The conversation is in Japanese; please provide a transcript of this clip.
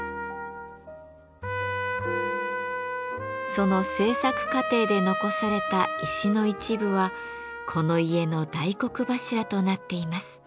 その制作過程で残された石の一部はこの家の大黒柱となっています。